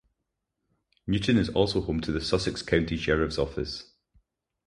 Newton is also home to the Sussex County Sheriff's Office.